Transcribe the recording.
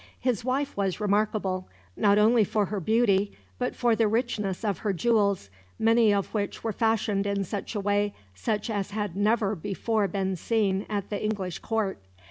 His wife was remarkable, not only for her beauty, but for the richness of her jewels, many of which were fashioned in a way such as had never before been seen at the English Court.